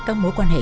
các mối quan hệ